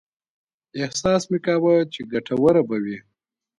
احساس مې کاوه چې ګټوره به وي.